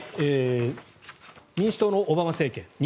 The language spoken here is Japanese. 民主党のオバマ政権